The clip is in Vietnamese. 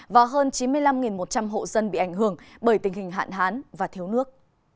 và hơn chín mươi năm một trăm linh hộ dân bị ảnh hưởng bởi tình hình hạn hán và thiếu nước